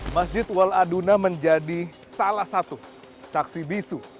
masjid wal aduna menjadi salah satu saksi bisu